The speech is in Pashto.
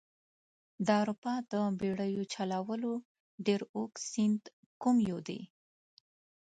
د اروپا د بیړیو چلولو ډېر اوږد سیند کوم یو دي؟